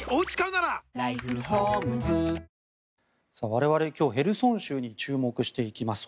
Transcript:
我々、今日ヘルソン州に注目していきます。